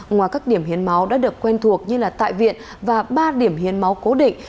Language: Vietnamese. ngoài các điểm hiến máu đã được quen thuộc như tại viện và ba điểm hiến máu cố định